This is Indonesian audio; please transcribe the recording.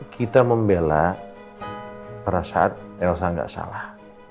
kita membela pada saat elsa tidak salah